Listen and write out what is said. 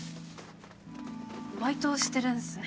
バイトしてるんすね。